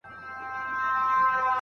د ماهر لخوا ساعت معاينه سو.